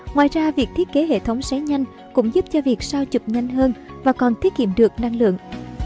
ngoài ra việc thiết kế hệ thống xấy nhanh cũng giúp cho việc sao chụp nhanh hơn và còn thiết kiệm được năng lượng